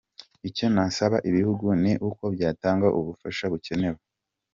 Icyo nasaba ibihugu ni uko byatanga ubufasha bukenewe.